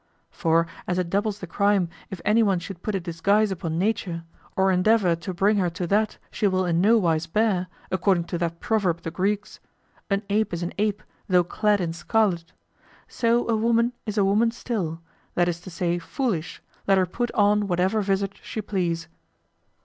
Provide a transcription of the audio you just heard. For as it doubles the crime if anyone should put a disguise upon Nature, or endeavor to bring her to that she will in no wise bear, according to that proverb of the Greeks, "An ape is an ape, though clad in scarlet;" so a woman is a woman still, that is to say foolish, let her put on whatever vizard she please.